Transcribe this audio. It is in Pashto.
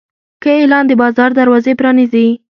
ښه اعلان د بازار دروازې پرانیزي.